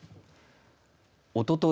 おととい